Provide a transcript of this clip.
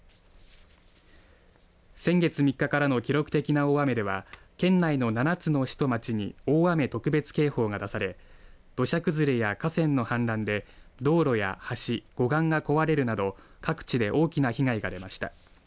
先月３日からの記録的な大雨では県内の７つの市と町に大雨特別警報が出され土砂崩れや河川の氾濫で道路や橋、護岸が壊れるなど各地で大きな被害が出ました。